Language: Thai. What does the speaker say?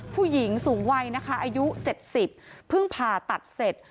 ผู้หญิงสูงวัยนะคะอายุ๗๐เพิ่งผ่าตัดเสร็จ